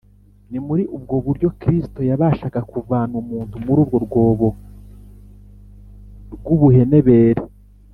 . Ni muri ubwo buryo Kristo yabashaga kuvana umuntu muri urwo rwobo rw’ubuhenebere